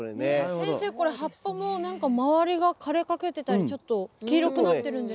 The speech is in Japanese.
先生これ葉っぱもなんか周りが枯れかけてたりちょっと黄色くなってるんです。